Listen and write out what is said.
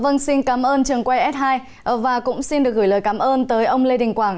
vâng xin cảm ơn trường quay s hai và cũng xin được gửi lời cảm ơn tới ông lê đình quảng